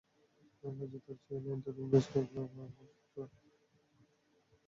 বাজি ধরছি যে এই লাইনটা তুমি বেশ কয়েক বার শুনেছ।